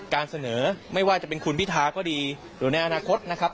การเสนอไม่ว่าจะเป็นคุณพิธาก็ดีหรือในอนาคตนะครับ